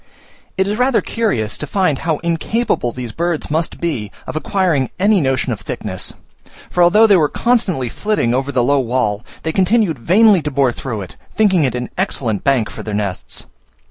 It is rather curious to find how incapable these birds must be of acquiring any notion of thickness, for although they were constantly flitting over the low wall, they continued vainly to bore through it, thinking it an excellent bank for their nests.